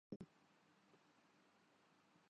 مقام فیضؔ کوئی راہ میں جچا ہی نہیں